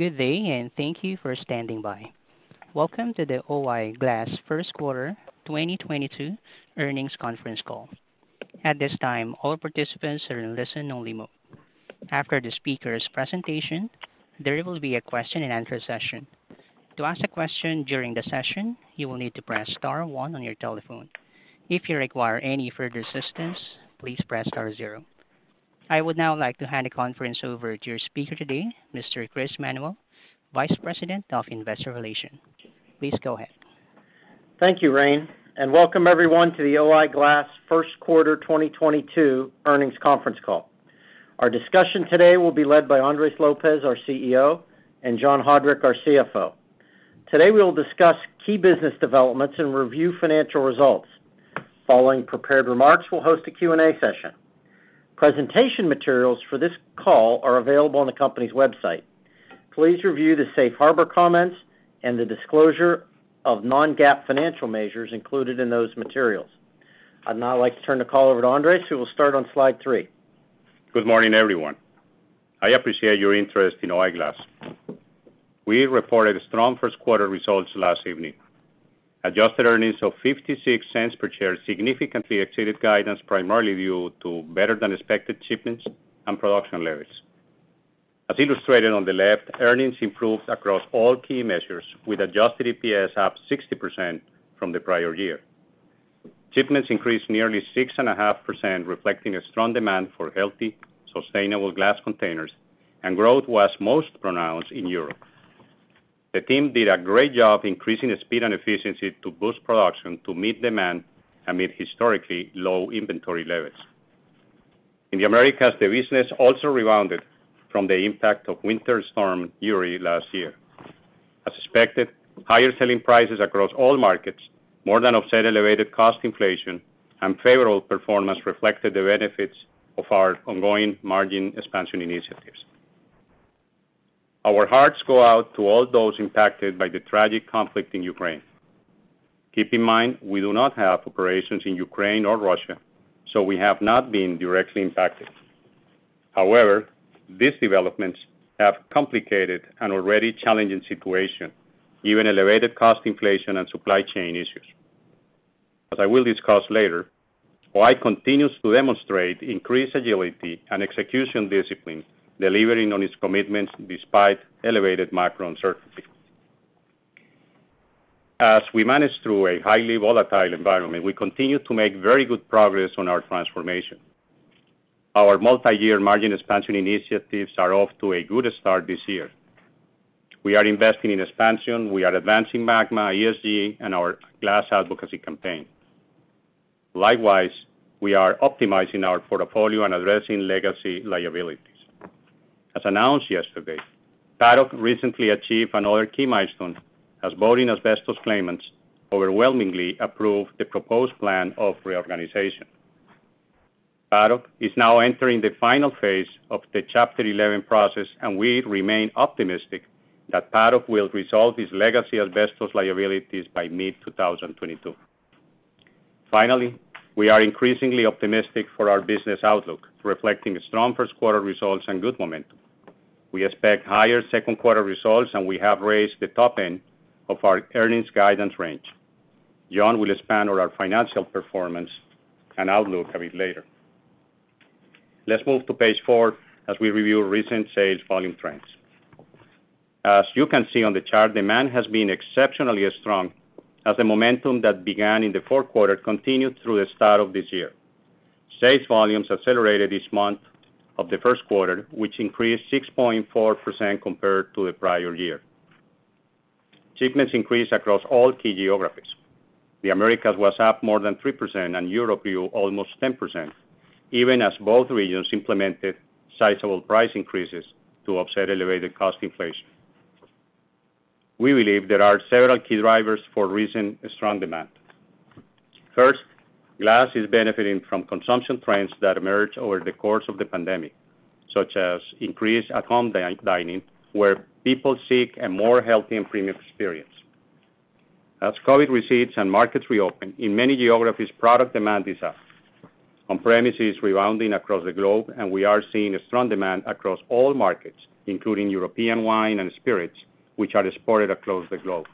Good day, and thank you for standing by. Welcome to the O-I Glass First Quarter 2022 Earnings Conference Call. At this time, all participants are in listen-only mode. After the speaker's presentation, there will be a question and answer session. To ask a question during the session, you will need to press star one on your telephone. If you require any further assistance, please press star zero. I would now like to hand the conference over to your speaker today, Mr. Chris Manuel, Vice President of Investor Relations. Please go ahead. Thank you, Rain, and welcome everyone to the O-I Glass first quarter 2022 earnings conference call. Our discussion today will be led by Andres Lopez, our CEO, and John Haudrich, our CFO. Today, we'll discuss key business developments and review financial results. Following prepared remarks, we'll host a Q&A session. Presentation materials for this call are available on the company's website. Please review the safe harbor comments and the disclosure of non-GAAP financial measures included in those materials. I'd now like to turn the call over to Andres, who will start on slide three. Good morning, everyone. I appreciate your interest in O-I Glass. We reported strong first quarter results last evening. Adjusted earnings of $0.56 per share significantly exceeded guidance, primarily due to better than expected shipments and production levels. As illustrated on the left, earnings improved across all key measures, with adjusted EPS up 60% from the prior year. Shipments increased nearly 6.5%, reflecting a strong demand for healthy, sustainable glass containers, and growth was most pronounced in Europe. The team did a great job increasing the speed and efficiency to boost production to meet demand amid historically low inventory levels. In the Americas, the business also rebounded from the impact of Winter Storm Uri last year. As expected, higher selling prices across all markets more than offset elevated cost inflation, and favorable performance reflected the benefits of our ongoing margin expansion initiatives. Our hearts go out to all those impacted by the tragic conflict in Ukraine. Keep in mind, we do not have operations in Ukraine or Russia, so we have not been directly impacted. However, these developments have complicated an already challenging situation, given elevated cost inflation and supply chain issues. As I will discuss later, O-I continues to demonstrate increased agility and execution discipline, delivering on its commitments despite elevated macro uncertainties. As we manage through a highly volatile environment, we continue to make very good progress on our transformation. Our multi-year margin expansion initiatives are off to a good start this year. We are investing in expansion, we are advancing MAGMA, ESG, and our glass advocacy campaign. Likewise, we are optimizing our portfolio and addressing legacy liabilities. As announced yesterday, Paddock recently achieved another key milestone as voting asbestos claimants overwhelmingly approved the proposed plan of reorganization. Paddock is now entering the final phase of the Chapter 11 process, and we remain optimistic that Paddock will resolve its legacy asbestos liabilities by mid-2022. Finally, we are increasingly optimistic for our business outlook, reflecting strong first quarter results and good momentum. We expect higher second quarter results, and we have raised the top end of our earnings guidance range. John will expand on our financial performance and outlook a bit later. Let's move to page four as we review recent sales volume trends. As you can see on the chart, demand has been exceptionally strong as the momentum that began in the fourth quarter continued through the start of this year. Sales volumes accelerated each month of the first quarter, which increased 6.4% compared to the prior year. Shipments increased across all key geographies. The Americas was up more than 3%, and Europe grew almost 10%, even as both regions implemented sizable price increases to offset elevated cost inflation. We believe there are several key drivers for recent strong demand. First, glass is benefiting from consumption trends that emerged over the course of the pandemic, such as increased at-home dining, where people seek a more healthy and premium experience. As COVID recedes and markets reopen, in many geographies, product demand is up. On-premise is rebounding across the globe, and we are seeing a strong demand across all markets, including European wine and spirits, which are exported across the globe.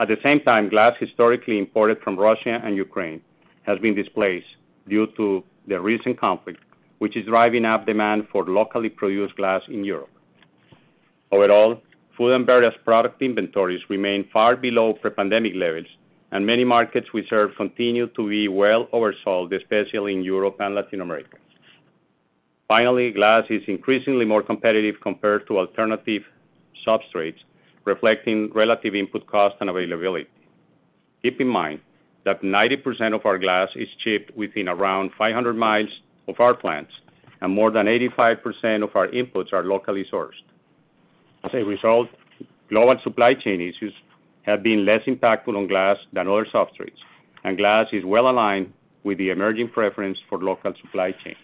At the same time, glass historically imported from Russia and Ukraine has been displaced due to the recent conflict, which is driving up demand for locally produced glass in Europe. Overall, food and beverage product inventories remain far below pre-pandemic levels, and many markets we serve continue to be well oversold, especially in Europe and Latin America. Finally, glass is increasingly more competitive compared to alternative substrates, reflecting relative input cost and availability. Keep in mind that 90% of our glass is shipped within around 500 miles of our plants, and more than 85% of our inputs are locally sourced. As a result, global supply chain issues have been less impactful on glass than other substrates, and glass is well-aligned with the emerging preference for local supply chains.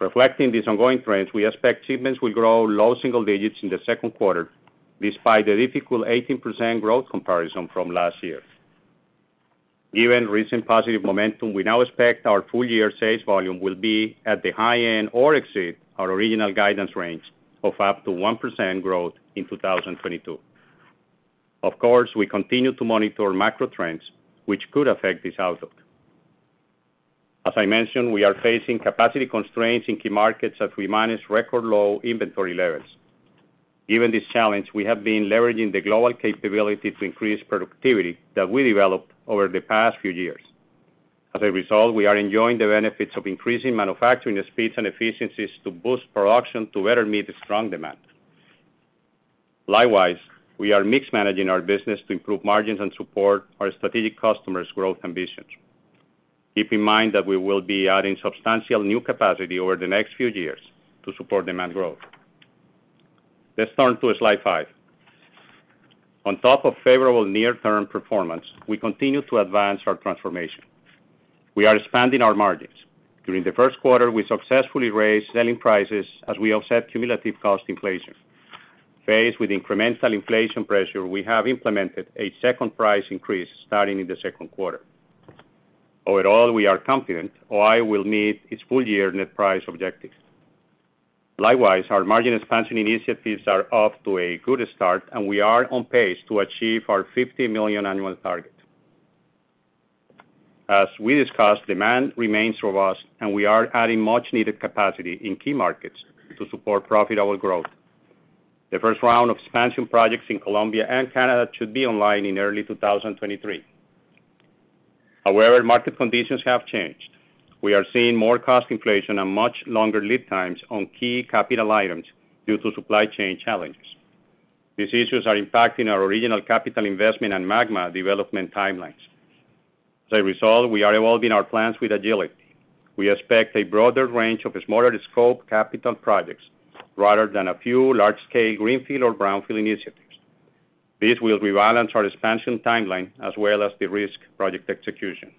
Reflecting these ongoing trends, we expect shipments will grow low single digits in the second quarter, despite a difficult 18% growth comparison from last year. Given recent positive momentum, we now expect our full year sales volume will be at the high end or exceed our original guidance range of up to 1% growth in 2022. Of course, we continue to monitor macro trends which could affect this outlook. As I mentioned, we are facing capacity constraints in key markets as we manage record low inventory levels. Given this challenge, we have been leveraging the global capability to increase productivity that we developed over the past few years. As a result, we are enjoying the benefits of increasing manufacturing speeds and efficiencies to boost production to better meet the strong demand. We are mix managing our business to improve margins and support our strategic customers' growth ambitions. Keep in mind that we will be adding substantial new capacity over the next few years to support demand growth. Let's turn to slide five. On top of favorable near-term performance, we continue to advance our transformation. We are expanding our margins. During the first quarter, we successfully raised selling prices as we offset cumulative cost inflation. Faced with incremental inflation pressure, we have implemented a second price increase starting in the second quarter. Overall, we are confident OI will meet its full year net price objectives. Our margin expansion initiatives are off to a good start, and we are on pace to achieve our $50 million annual target. As we discussed, demand remains robust, and we are adding much needed capacity in key markets to support profitable growth. The first round of expansion projects in Colombia and Canada should be online in early 2023. However, market conditions have changed. We are seeing more cost inflation and much longer lead times on key capital items due to supply chain challenges. These issues are impacting our original capital investment and MAGMA development timelines. As a result, we are evolving our plans with agility. We expect a broader range of smaller scope capital projects rather than a few large-scale greenfield or brownfield initiatives. This will rebalance our expansion timeline as well as de-risk project execution.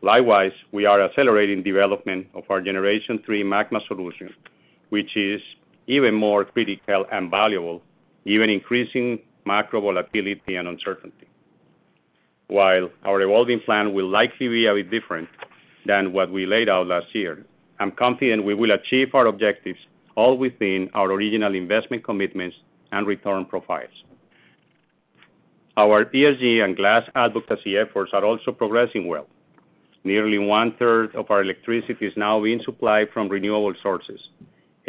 Likewise, we are accelerating development of our Generation III MAGMA solution, which is even more critical and valuable, given increasing macro volatility and uncertainty. While our evolving plan will likely be a bit different than what we laid out last year, I'm confident we will achieve our objectives all within our original investment commitments and return profiles. Our ESG and glass advocacy efforts are also progressing well. Nearly 1/3 of our electricity is now being supplied from renewable sources,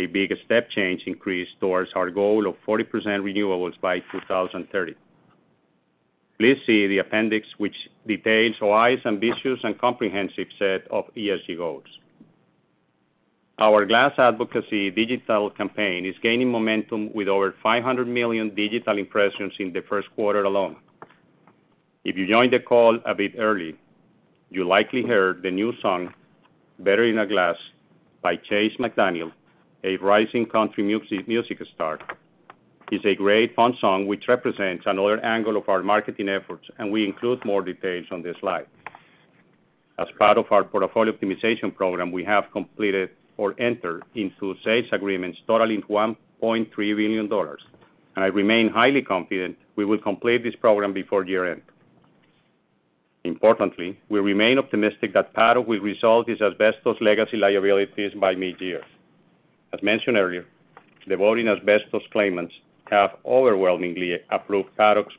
a big step change increase towards our goal of 40% renewables by 2030. Please see the appendix which details OI's ambitious and comprehensive set of ESG goals. Our glass advocacy digital campaign is gaining momentum with over 500 million digital impressions in the first quarter alone. If you joined the call a bit early, you likely heard the new song, "Better in a Glass" by Chase McDaniel, a rising country music star. It's a great, fun song which represents another angle of our marketing efforts, and we include more details on this slide. As part of our portfolio optimization program, we have completed or entered into sales agreements totaling $1.3 billion, and I remain highly confident we will complete this program before year-end. Importantly, we remain optimistic that Paddock will resolve its asbestos legacy liabilities by mid-year. As mentioned earlier, the voting asbestos claimants have overwhelmingly approved Paddock's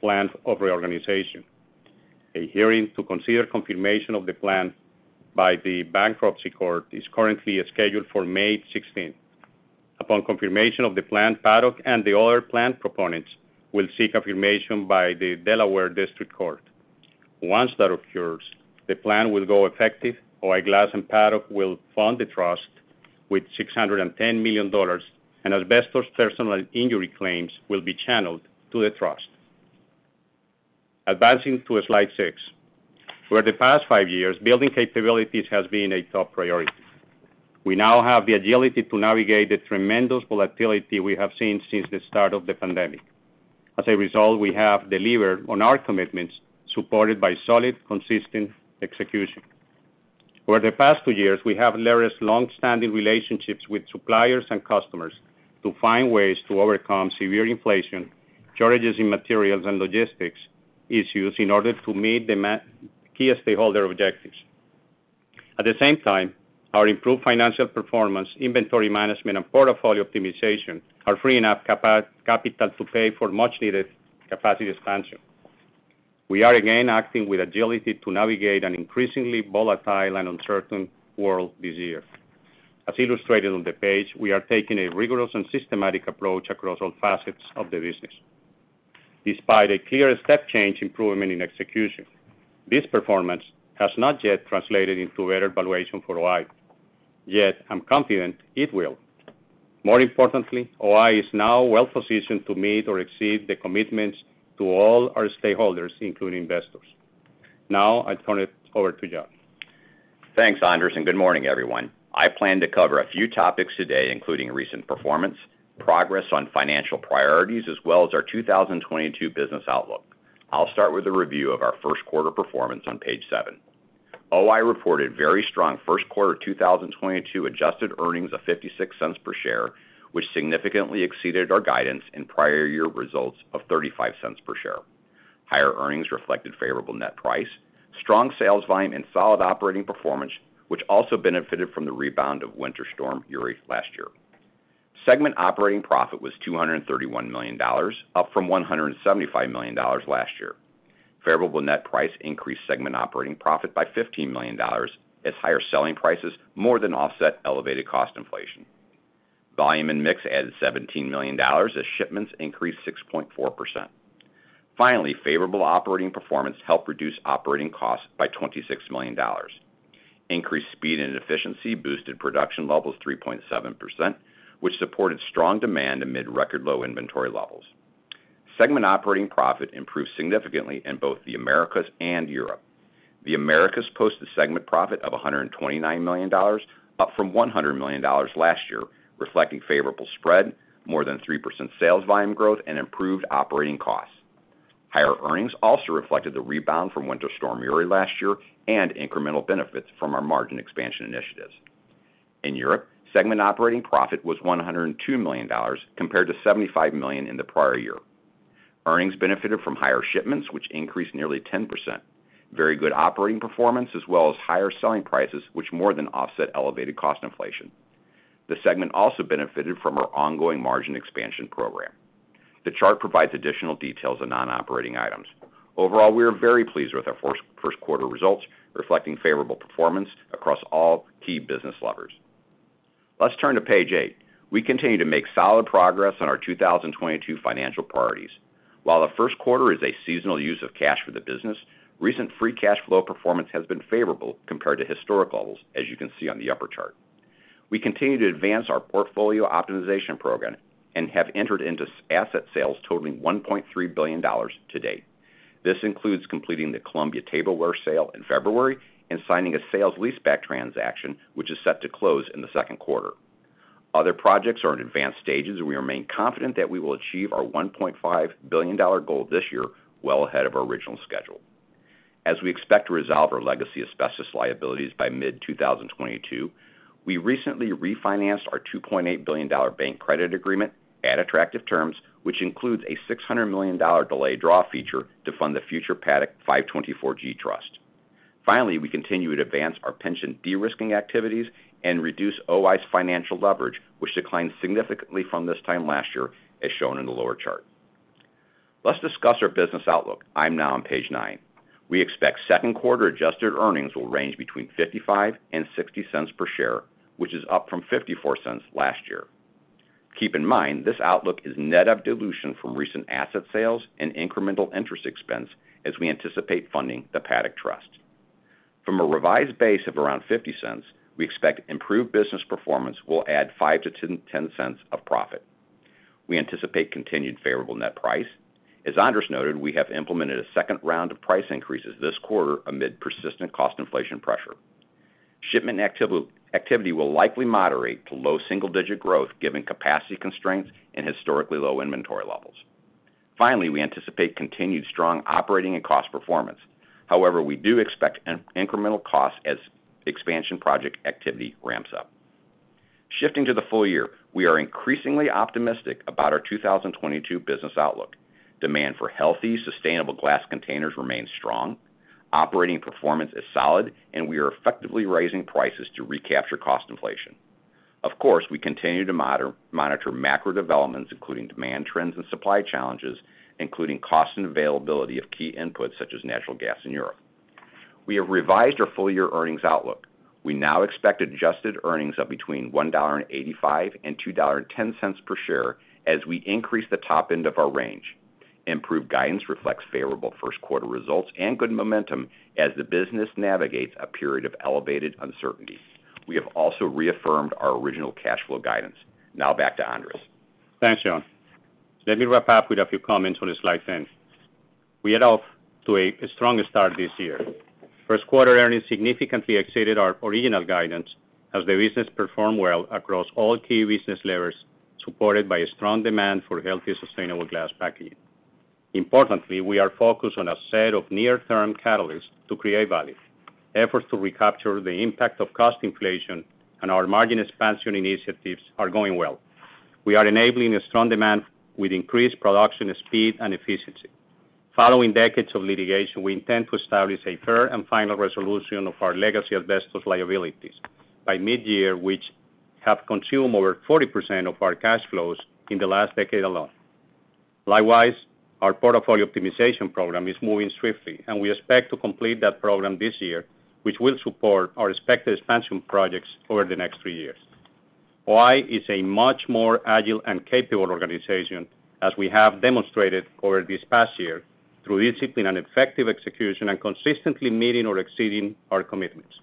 plan of reorganization. A hearing to consider confirmation of the plan by the bankruptcy court is currently scheduled for May sixteenth. Upon confirmation of the plan, Paddock and the other plan proponents will seek affirmation by the Delaware District Court. Once that occurs, the plan will go effective, O-I Glass and Paddock will fund the trust with $610 million, and asbestos personal injury claims will be channeled to the trust. Advancing to slide six. For the past five years, building capabilities has been a top priority. We now have the agility to navigate the tremendous volatility we have seen since the start of the pandemic. As a result, we have delivered on our commitments, supported by solid, consistent execution. Over the past two years, we have leveraged long-standing relationships with suppliers and customers to find ways to overcome severe inflation, shortages in materials, and logistics issues in order to meet demand, key stakeholder objectives. At the same time, our improved financial performance, inventory management, and portfolio optimization are freeing up capital to pay for much needed capacity expansion. We are again acting with agility to navigate an increasingly volatile and uncertain world this year. As illustrated on the page, we are taking a rigorous and systematic approach across all facets of the business. Despite a clear step change improvement in execution, this performance has not yet translated into better valuation for OI. Yet, I'm confident it will. More importantly, OI is now well-positioned to meet or exceed the commitments to all our stakeholders, including investors. Now I turn it over to John. Thanks, Andres, and good morning, everyone. I plan to cover a few topics today, including recent performance, progress on financial priorities, as well as our 2022 business outlook. I'll start with a review of our first quarter performance on page seven. OI reported very strong first quarter 2022 adjusted earnings of $0.56 per share, which significantly exceeded our guidance in prior year results of $0.35 per share. Higher earnings reflected favorable net price, strong sales volume, and solid operating performance, which also benefited from the rebound of Winter Storm Uri last year. Segment operating profit was $231 million, up from $175 million last year. Favorable net price increased segment operating profit by $15 million as higher selling prices more than offset elevated cost inflation. Volume and mix added $17 million as shipments increased 6.4%. Favorable operating performance helped reduce operating costs by $26 million. Increased speed and efficiency boosted production levels 3.7%, which supported strong demand amid record low inventory levels. Segment operating profit improved significantly in both the Americas and Europe. The Americas posted segment profit of $129 million, up from $100 million last year, reflecting favorable spread, more than 3% sales volume growth, and improved operating costs. Higher earnings also reflected the rebound from Winter Storm Uri last year and incremental benefits from our margin expansion initiatives. In Europe, segment operating profit was $102 million, compared to $75 million in the prior year. Earnings benefited from higher shipments, which increased nearly 10%. Very good operating performance as well as higher selling prices, which more than offset elevated cost inflation. The segment also benefited from our ongoing margin expansion program. The chart provides additional details of non-operating items. Overall, we are very pleased with our first quarter results, reflecting favorable performance across all key business levers. Let's turn to page eight. We continue to make solid progress on our 2022 financial priorities. While the first quarter is a seasonal use of cash for the business, recent free cash flow performance has been favorable compared to historic levels, as you can see on the upper chart. We continue to advance our portfolio optimization program and have entered into several asset sales totaling $1.3 billion to date. This includes completing the Colombia tableware sale in February and signing a sales leaseback transaction, which is set to close in the second quarter. Other projects are in advanced stages, and we remain confident that we will achieve our $1.5 billion goal this year, well ahead of our original schedule. We expect to resolve our legacy asbestos liabilities by mid-2022. We recently refinanced our $2.8 billion Bank Credit Agreement at attractive terms, which includes a $600 million delayed draw feature to fund the future Paddock 524(g) Trust. We continue to advance our pension de-risking activities and reduce O-I Glass's financial leverage, which declined significantly from this time last year, as shown in the lower chart. Let's discuss our business outlook. I'm now on page nine. We expect second quarter adjusted earnings will range between $0.55 and $0.60 per share, which is up from $0.54 last year. Keep in mind, this outlook is net of dilution from recent asset sales and incremental interest expense as we anticipate funding the Paddock Trust. From a revised base of around $0.50, we expect improved business performance will add $0.05-$0.10 of profit. We anticipate continued favorable net price. As Andres noted, we have implemented a second round of price increases this quarter amid persistent cost inflation pressure. Shipment activity will likely moderate to low single-digit growth given capacity constraints and historically low inventory levels. Finally, we anticipate continued strong operating and cost performance. However, we do expect incremental costs as expansion project activity ramps up. Shifting to the full year, we are increasingly optimistic about our 2022 business outlook. Demand for healthy, sustainable glass containers remains strong. Operating performance is solid, and we are effectively raising prices to recapture cost inflation. Of course, we continue to monitor macro developments, including demand trends and supply challenges, including cost and availability of key inputs such as natural gas in Europe. We have revised our full-year earnings outlook. We now expect adjusted earnings of between $1.85 and $2.10 per share as we increase the top end of our range. Improved guidance reflects favorable first quarter results and good momentum as the business navigates a period of elevated uncertainty. We have also reaffirmed our original cash flow guidance. Now back to Andres. Thanks, John. Let me wrap up with a few comments on this slide then. We are off to a strong start this year. First quarter earnings significantly exceeded our original guidance as the business performed well across all key business levers, supported by a strong demand for healthy, sustainable glass packaging. Importantly, we are focused on a set of near-term catalysts to create value. Efforts to recapture the impact of cost inflation and our margin expansion initiatives are going well. We are enabling a strong demand with increased production speed and efficiency. Following decades of litigation, we intend to establish a fair and final resolution of our legacy asbestos liabilities by mid-year, which have consumed over 40% of our cash flows in the last decade alone. Likewise, our portfolio optimization program is moving swiftly, and we expect to complete that program this year, which will support our expected expansion projects over the next three years. OI is a much more agile and capable organization, as we have demonstrated over this past year through disciplined and effective execution and consistently meeting or exceeding our commitments.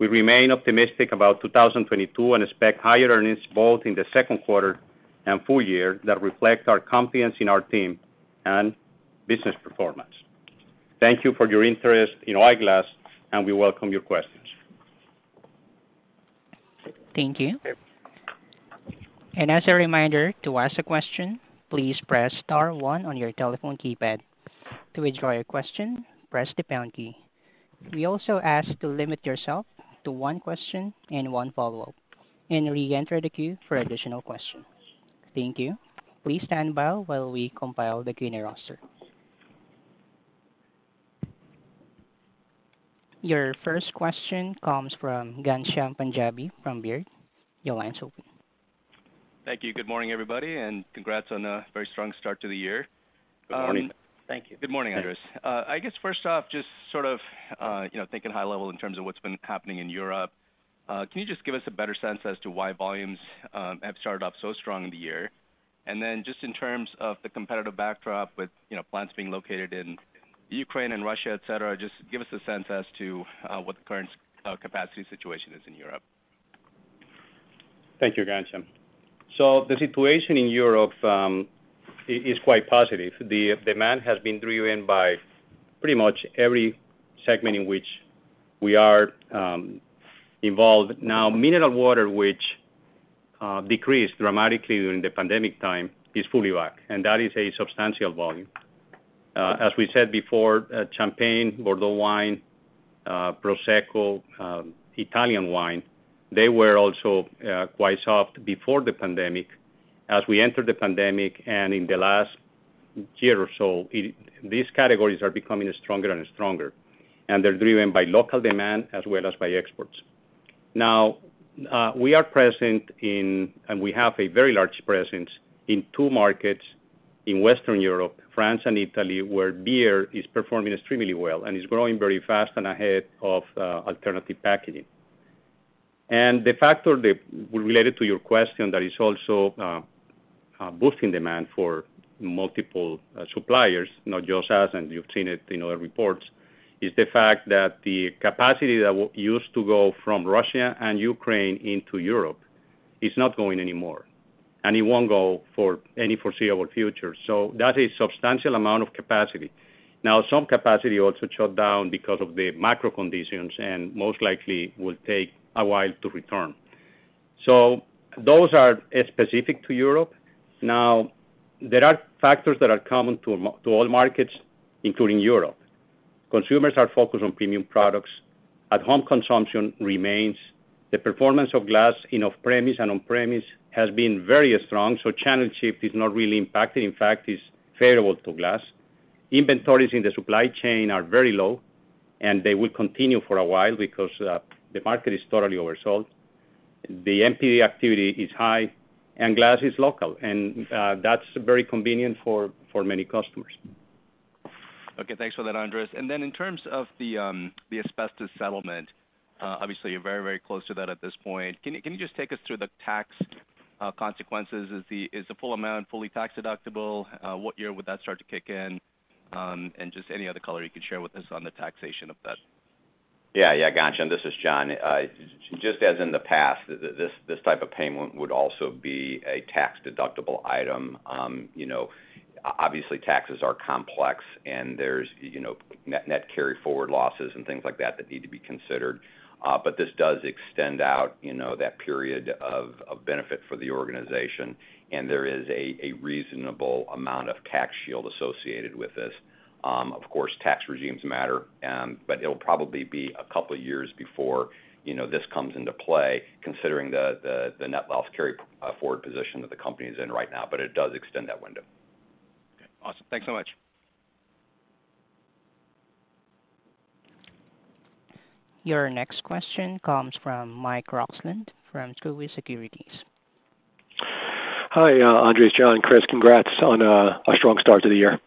We remain optimistic about 2022 and expect higher earnings both in the second quarter and full year that reflect our confidence in our team and business performance. Thank you for your interest in O-I Glass, and we welcome your questions. Thank you. As a reminder, to ask a question, please press star one on your telephone keypad. To withdraw your question, press the pound key. We also ask to limit yourself to one question and one follow-up and re-enter the queue for additional questions. Thank you. Please stand by while we compile the queue roster. Your first question comes from Ghansham Panjabi from Baird. Your line's open. Thank you. Good morning, everybody, and congrats on a very strong start to the year. Good morning. Thank you. Good morning, Andres. I guess first off, just sort of, you know, thinking high level in terms of what's been happening in Europe, can you just give us a better sense as to why volumes have started off so strong in the year? Just in terms of the competitive backdrop with, you know, plants being located in Ukraine and Russia, et cetera, just give us a sense as to what the current capacity situation is in Europe. Thank you, Ghansham. The situation in Europe is quite positive. The demand has been driven by pretty much every segment in which we are involved. Now, mineral water, which decreased dramatically during the pandemic time, is fully back, and that is a substantial volume. As we said before, champagne, Bordeaux wine, Prosecco, Italian wine, they were also quite soft before the pandemic. As we entered the pandemic and in the last year or so, these categories are becoming stronger and stronger, and they're driven by local demand as well as by exports. Now, we are present in, and we have a very large presence in two markets in Western Europe, France and Italy, where beer is performing extremely well and is growing very fast and ahead of alternative packaging. The factor that related to your question that is also boosting demand for multiple suppliers, not just us, and you've seen it in other reports, is the fact that the capacity that used to go from Russia and Ukraine into Europe is not going anymore, and it won't go for any foreseeable future. That is substantial amount of capacity. Some capacity also shut down because of the macro conditions and most likely will take a while to return. Those are specific to Europe. There are factors that are common to all markets, including Europe. Consumers are focused on premium products. At home consumption remains. The performance of glass in off-premise and on-premise has been very strong, so channel shift is not really impacted. In fact, it's favorable to glass. Inventories in the supply chain are very low, and they will continue for a while because the market is totally oversold. The NPD activity is high, and glass is local, and that's very convenient for many customers. Okay. Thanks for that, Andres. In terms of the asbestos settlement, obviously you're very, very close to that at this point. Can you just take us through the tax consequences? Is the full amount fully tax-deductible? What year would that start to kick in? And just any other color you can share with us on the taxation of that. Yeah. Yeah, Ghansham, this is John. Just as in the past, this type of payment would also be a tax-deductible item. You know, obviously taxes are complex, and there's you know, net carryforward losses and things like that that need to be considered. This does extend out you know, that period of benefit for the organization, and there is a reasonable amount of tax shield associated with this. Of course, tax regimes matter, but it will probably be a couple years before you know, this comes into play, considering the net loss carryforward position that the company is in right now, but it does extend that window. Okay. Awesome. Thanks so much. Your next question comes from Michael Roxland from Truist Securities. Hi, Andres, John, Chris. Congrats on a strong start to the year.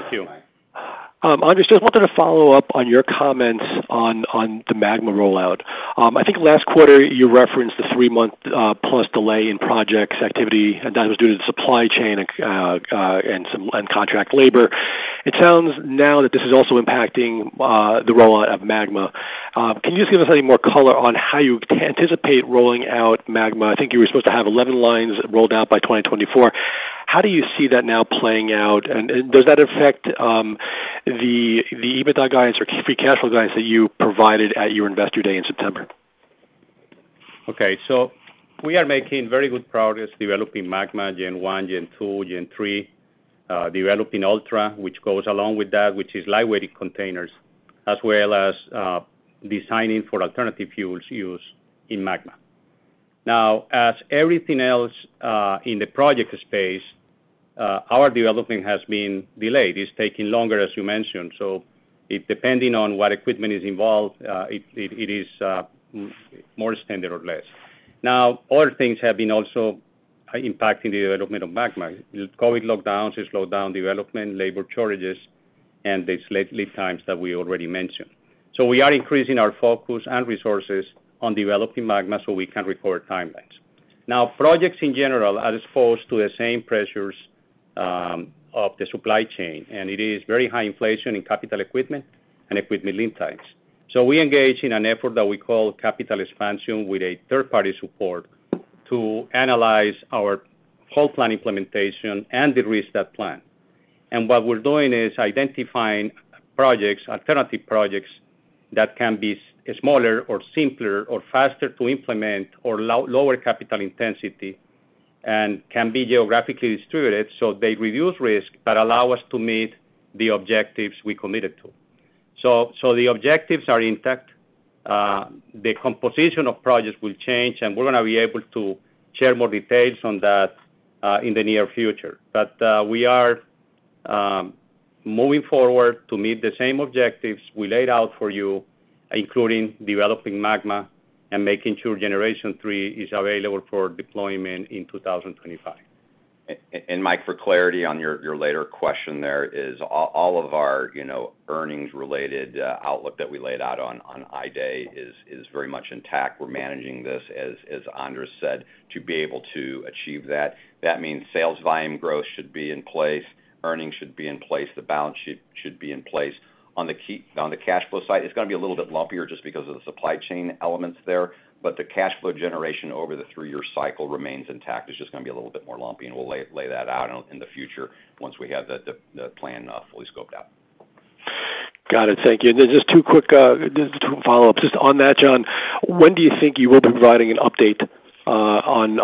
Thank you. Andres, just wanted to follow up on your comments on the MAGMA rollout. I think last quarter you referenced the three-month plus delay in projects activity, and that was due to the supply chain and contract labor. It sounds now that this is also impacting the rollout of MAGMA. Can you just give us any more color on how you can anticipate rolling out MAGMA? I think you were supposed to have 11 lines rolled out by 2024. How do you see that now playing out? Does that affect the EBITDA guidance or free cash flow guidance that you provided at your Investor Day in September? Okay. We are making very good progress developing MAGMA Gen One, Generation Two, Generation Three, developing Ultra, which goes along with that, which is lightweight containers, as well as designing for alternative fuels use in MAGMA. Now, as everything else in the project space, our development has been delayed. It's taking longer, as you mentioned. It depends on what equipment is involved, it is more standard or less. Now, other things have also been impacting the development of MAGMA. The COVID lockdowns have slowed down development, labor shortages, and the supply lead times that we already mentioned. We are increasing our focus and resources on developing MAGMA so we can recover timelines. Now projects in general are exposed to the same pressures of the supply chain, and it is very high inflation in capital equipment and equipment lead times. We engage in an effort that we call capital expansion with a third-party support to analyze our whole plan implementation and de-risk that plan. What we're doing is identifying projects, alternative projects that can be smaller or simpler or faster to implement or lower capital intensity and can be geographically distributed. They reduce risk, but allow us to meet the objectives we committed to. The objectives are intact. The composition of projects will change, and we're gonna be able to share more details on that in the near future. We are moving forward to meet the same objectives we laid out for you, including developing MAGMA and making sure Generation III is available for deployment in 2025. Mike, for clarity on your later question there, is all of our, you know, earnings related outlook that we laid out on Investor Day is very much intact. We're managing this, as Andres said, to be able to achieve that. That means sales volume growth should be in place, earnings should be in place, the balance sheet should be in place. On the cash flow side, it's gonna be a little bit lumpier just because of the supply chain elements there, but the cash flow generation over the three-year cycle remains intact. It's just gonna be a little bit more lumpy, and we'll lay that out in the future once we have the plan fully scoped out. Got it. Thank you. Just two quick follow-ups. Just on that, John, when do you think you will be providing an update on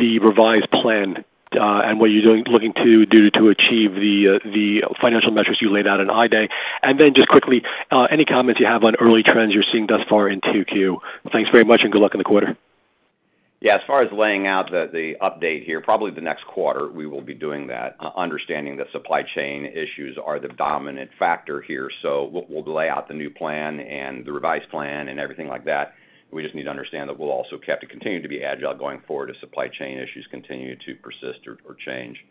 the revised plan and what you're looking to do to achieve the financial metrics you laid out on Investor Day? Just quickly, any comments you have on early trends you're seeing thus far in 2Q. Thanks very much, and good luck in the quarter. Yeah, as far as laying out the update here, probably the next quarter, we will be doing that, understanding the supply chain issues are the dominant factor here. We'll lay out the new plan and the revised plan and everything like that. We just need to understand that we'll also have to continue to be agile going forward as supply chain issues continue to persist or change.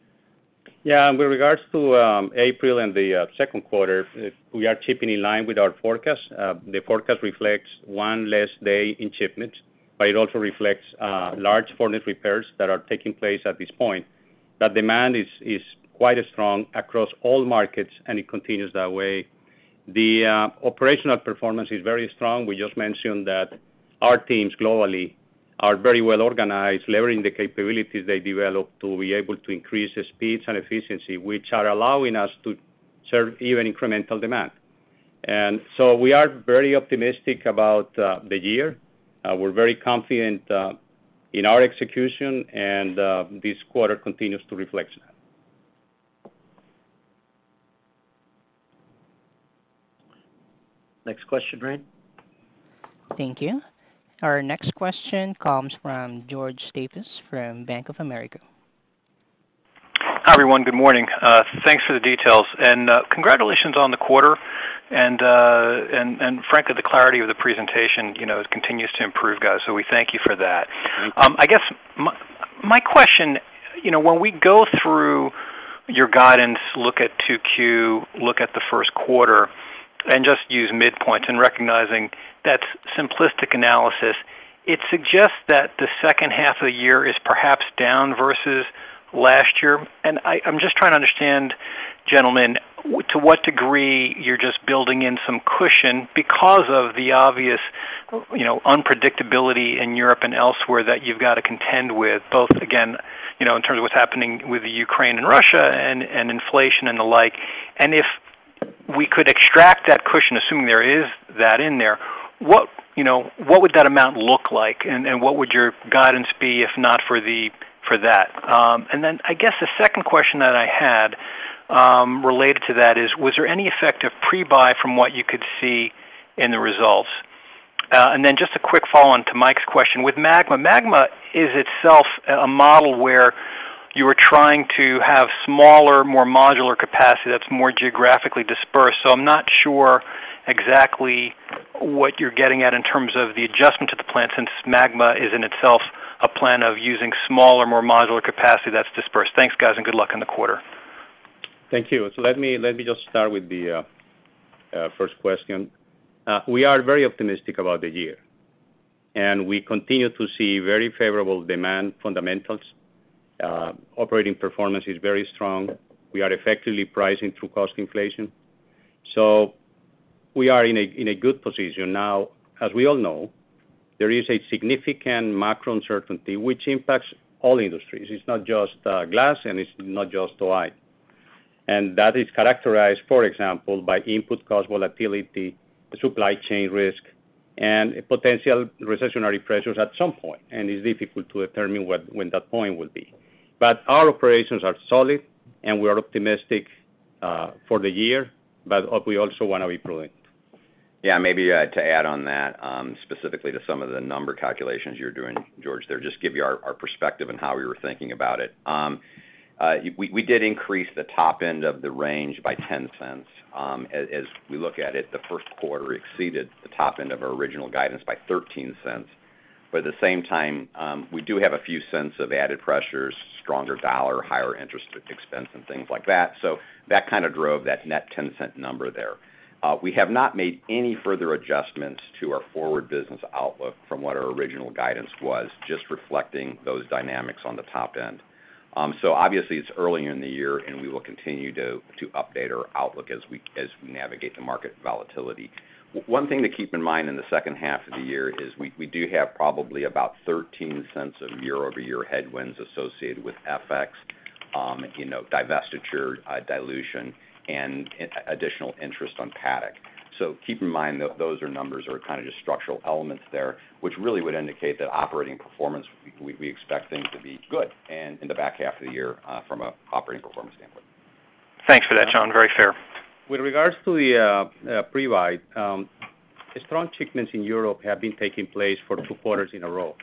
Yeah. With regards to April and the second quarter, we are shipping in line with our forecast. The forecast reflects one less day in shipments, but it also reflects large furnace repairs that are taking place at this point. The demand is quite strong across all markets, and it continues that way. The operational performance is very strong. We just mentioned that our teams globally are very well organized, leveraging the capabilities they developed to be able to increase the speeds and efficiency, which are allowing us to serve even incremental demand. We are very optimistic about the year. We're very confident in our execution, and this quarter continues to reflect that. Next question, Rain. Thank you. Our next question comes from George Staphos from Bank of America. Hi, everyone. Good morning. Thanks for the details. Congratulations on the quarter. Frankly, the clarity of the presentation, you know, continues to improve, guys. We thank you for that. I guess my question, you know, when we go through your guidance, look at 2Q, look at the first quarter, and just use midpoints, and recognizing that's simplistic analysis, it suggests that the second half of the year is perhaps down versus last year. I'm just trying to understand, gentlemen, to what degree you're just building in some cushion because of the obvious, you know, unpredictability in Europe and elsewhere that you've got to contend with, both, again, you know, in terms of what's happening with the Ukraine and Russia and inflation and the like. If we could extract that cushion, assuming there is that in there, what, you know, what would that amount look like, and what would your guidance be if not for the, for that? Then I guess the second question that I had, related to that is, was there any effect of pre-buy from what you could see in the results? Then just a quick follow-on to Mike's question. With MAGMA is itself a model where you are trying to have smaller, more modular capacity that's more geographically dispersed. So I'm not sure exactly what you're getting at in terms of the adjustment to the plant since MAGMA is in itself a plan of using smaller, more modular capacity that's dispersed. Thanks, guys, and good luck in the quarter. Thank you. Let me just start with the first question. We are very optimistic about the year, and we continue to see very favorable demand fundamentals. Operating performance is very strong. We are effectively pricing through cost inflation. We are in a good position. Now, as we all know, there is a significant macro uncertainty which impacts all industries. It's not just glass, and it's not just O-I. That is characterized, for example, by input cost volatility, supply chain risk, and potential recessionary pressures at some point. It's difficult to determine when that point will be. Our operations are solid, and we are optimistic for the year, but we also wanna be prudent. Yeah, maybe, to add on that, specifically to some of the number calculations you're doing, George, there, just give you our perspective on how we were thinking about it. We did increase the top end of the range by $0.10. As we look at it, the first quarter exceeded the top end of our original guidance by $0.13. But at the same time, we do have a few cents of added pressures, stronger dollar, higher interest expense and things like that. That kind of drove that net $0.10 number there. We have not made any further adjustments to our forward business outlook from what our original guidance was, just reflecting those dynamics on the top end. Obviously it's early in the year, and we will continue to update our outlook as we navigate the market volatility. One thing to keep in mind in the second half of the year is we do have probably about $0.13 of YoY headwinds associated with FX, you know, divestiture, dilution, and additional interest on Paddock. Keep in mind that those numbers are kind of just structural elements there, which really would indicate that operating performance we expect things to be good in the back half of the year from an operating performance standpoint. Thanks for that, John. Very fair. With regards to the pre-buy, strong shipments in Europe have been taking place for two quarters in a row.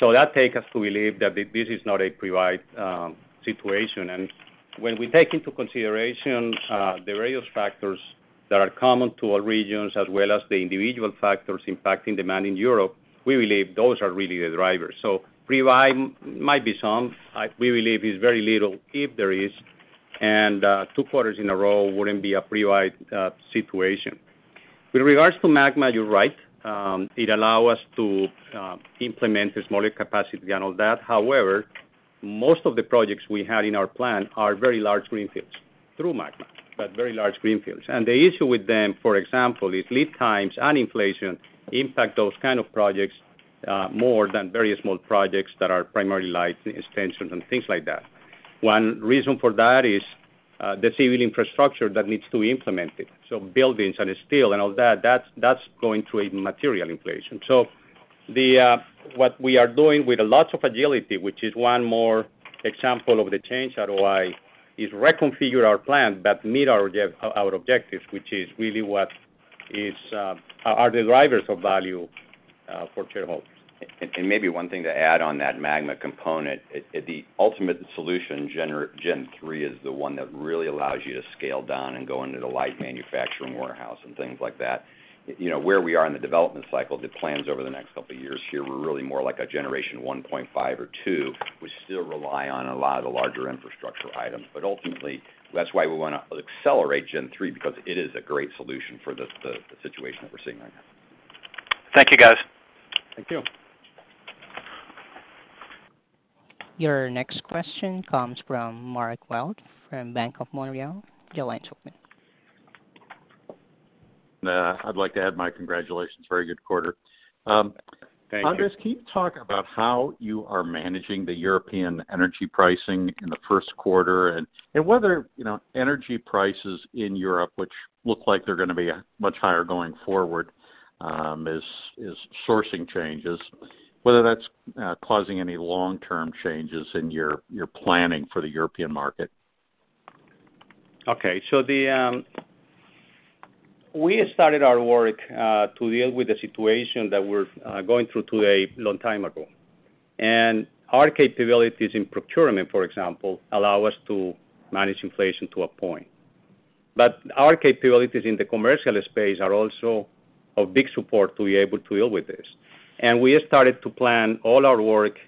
That take us to believe that this is not a pre-buy situation. When we take into consideration the various factors that are common to all regions as well as the individual factors impacting demand in Europe, we believe those are really the drivers. Pre-buy might be some. We believe is very little, if there is, and two quarters in a row wouldn't be a pre-buy situation. With regards to MAGMA, you're right. It allow us to implement the smaller capacity and all that. However, most of the projects we had in our plan are very large greenfields, through MAGMA, but very large greenfields. The issue with them, for example, is lead times and inflation impact those kind of projects more than very small projects that are primarily light extensions and things like that. One reason for that is the civil infrastructure that needs to be implemented, so buildings and steel and all that. That's going through a material inflation. What we are doing with lots of agility, which is one more example of the change at O-I, is reconfigure our plan that meet our objectives, which is really what are the drivers of value for shareholders. Maybe one thing to add on that MAGMA component, it the ultimate solution gen three is the one that really allows you to scale down and go into the light manufacturing warehouse and things like that. You know, where we are in the development cycle, the plans over the next couple of years here were really more like a generation 1.5 or 2, which still rely on a lot of the larger infrastructure items. Ultimately, that's why we wanna accelerate gen three, because it is a great solution for the situation that we're seeing right now. Thank you, guys. Thank you. Your next question comes from Mark Wilde from BMO Capital Markets. Your line's open. I'd like to add my congratulations. Very good quarter. Thank you. Andres, can you talk about how you are managing the European energy pricing in the first quarter and whether, you know, energy prices in Europe, which look like they're gonna be much higher going forward, is sourcing changes, whether that's causing any long-term changes in your planning for the European market? Okay. We started our work to deal with the situation that we're going through today a long time ago. Our capabilities in procurement, for example, allow us to manage inflation to a point. Our capabilities in the commercial space are also of big support to be able to deal with this. We have started to plan all our work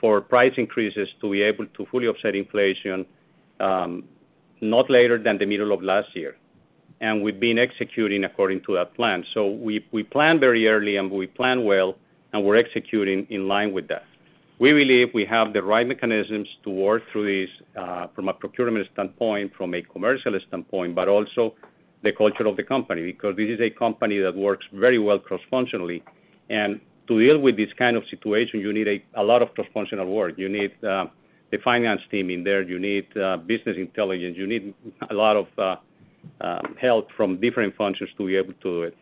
for price increases to be able to fully offset inflation not later than the middle of last year. We've been executing according to that plan. We plan very early and we plan well, and we're executing in line with that. We believe we have the right mechanisms to work through this from a procurement standpoint, from a commercial standpoint, but also the culture of the company, because this is a company that works very well cross-functionally. To deal with this kind of situation, you need a lot of cross-functional work. You need the finance team in there, you need business intelligence, you need a lot of help from different functions to be able to do it.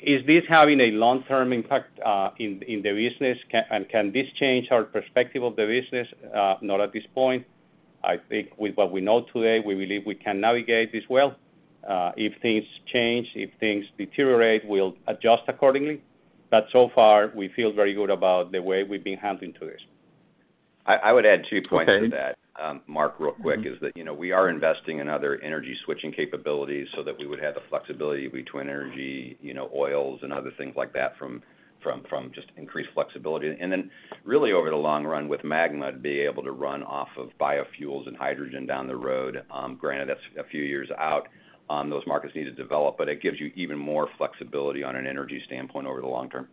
Is this having a long-term impact in the business? Can this change our perspective of the business? Not at this point. I think with what we know today, we believe we can navigate this well. If things change, if things deteriorate, we'll adjust accordingly. But so far, we feel very good about the way we've been handling this. I would add two points to that, Mark, real quick, is that, you know, we are investing in other energy switching capabilities so that we would have the flexibility between energy, you know, oils and other things like that from just increased flexibility. Then really over the long run with Magma, to be able to run off of biofuels and hydrogen down the road, granted that's a few years out, those markets need to develop, but it gives you even more flexibility on an energy standpoint over the long term.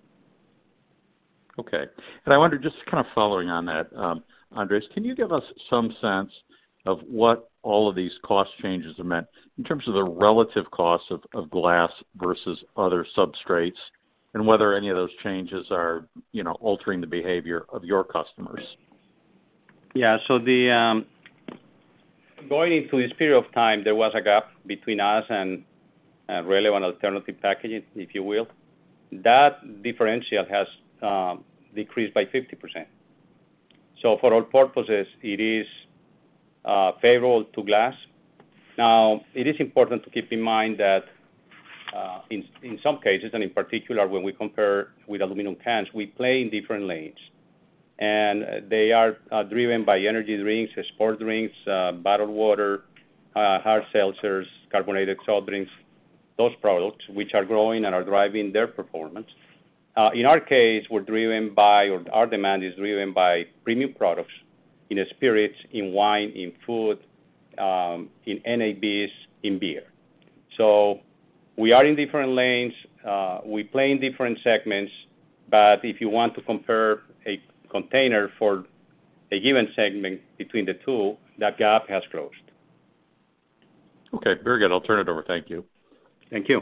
Okay. I wonder, just kind of following on that, Andres, can you give us some sense of what all of these cost changes have meant in terms of the relative cost of glass versus other substrates, and whether any of those changes are, you know, altering the behavior of your customers? Yeah. Going into this period of time, there was a gap between us and really one alternative packaging, if you will. That differential has decreased by 50%. For all purposes, it is favorable to glass. Now, it is important to keep in mind that in some cases, and in particular, when we compare with aluminum cans, we play in different lanes. They are driven by energy drinks, sport drinks, bottled water, hard seltzers, carbonated soft drinks, those products, which are growing and are driving their performance. In our case, we're driven by, or our demand is driven by premium products in spirits, in wine, in food, in NABs, in beer. We are in different lanes. We play in different segments. If you want to compare a container for a given segment between the two, that gap has closed. Okay, very good. I'll turn it over. Thank you. Thank you.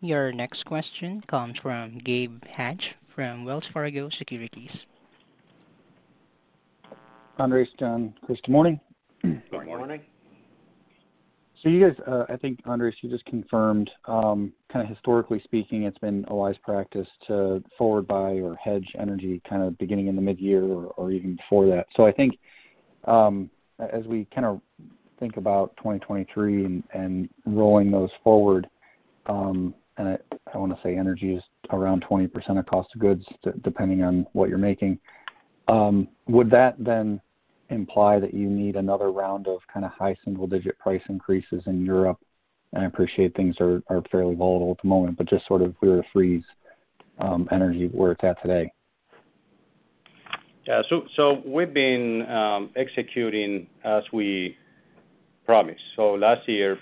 Your next question comes from Gabe Hajde from Wells Fargo Securities. Andres and John, good morning. Good morning. Good morning. You guys, I think, Andres, you just confirmed, kind of historically speaking, it's been a wise practice to forward buy or hedge energy kind of beginning in the midyear or even before that. I think, as we kind of think about 2023 and rolling those forward, and I wanna say energy is around 20% of cost of goods depending on what you're making, would that then imply that you need another round of kind of high single-digit price increases in Europe? I appreciate things are fairly volatile at the moment, but just sort of if we were to freeze energy where it's at today. We've been executing as we promised. Last year,